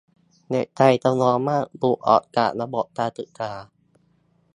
เด็กไทยจำนวนมากหลุดออกจากระบบการศึกษา